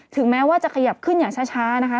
แม้ว่าจะขยับขึ้นอย่างช้านะคะ